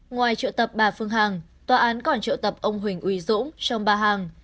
ngoài triệu tập bà phương hằng tòa án còn triệu tập ông huỳnh uy dũng trong bà hằng